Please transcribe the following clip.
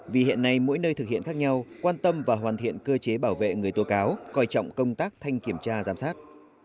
vì hiện nay mỗi nơi thực hiện khác nhau quan tâm và hoàn thiện cơ chế bảo vệ người tố cáo coi trọng công tác thanh kiểm tra giám sát